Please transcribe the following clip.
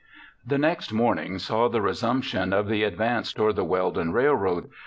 Turned Back The next morning saw the resumption of the advance toward the Weldon Railroad.